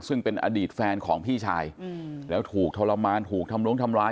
ซึ่งเป็นอดีตแฟนของพี่ชายแล้วถูกทรมานถูกทำล้วงทำร้าย